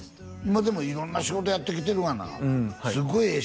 まあでも色んな仕事やってきてるがなすごいええ